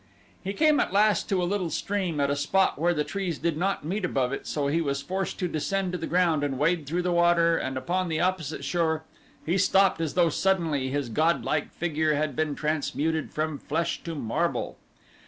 He came at last to a little stream at a spot where the trees did not meet above it so he was forced to descend to the ground and wade through the water and upon the opposite shore he stopped as though suddenly his godlike figure had been transmuted from flesh to marble.